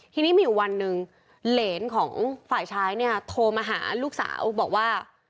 ทีนี้มีอยู่วันหนึ่งเหรนของฝ่ายชายเนี่ยโทรมาหาลูกสาวบอกว่า